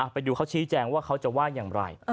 ไปดูเขาชี้แจงว่าเขาจะว่าอย่างไร